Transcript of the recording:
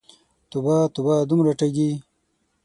توبه، توبه، دومره ټګې!